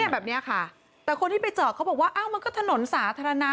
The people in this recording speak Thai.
แบบนี้ค่ะแต่คนที่ไปจอดเขาบอกว่าอ้าวมันก็ถนนสาธารณะ